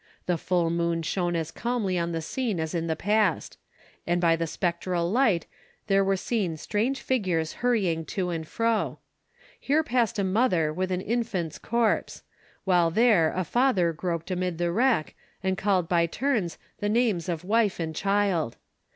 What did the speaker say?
The full moon shone as calmly on the scene as in the past; and by the spectral light were seen strange figures hurrying to and fro. Here passed a mother with an infant's corpse; while there a father groped amid the wreck, and called by turns the names of wife and child.